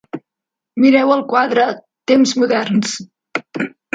Mireu el quadre, temps moderns.